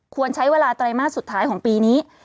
ควรใช้เวลาไตรมาสสุดท้ายของปีนี้